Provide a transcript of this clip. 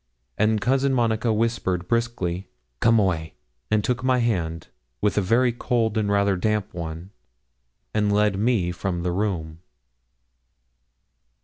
And Cousin Monica whispered, briskly, 'Come away,' and took my hand with a very cold and rather damp one, and led me from the room.